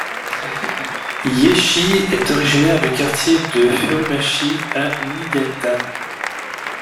Yaichi est originaire du quartier de Furumachi à Niigata.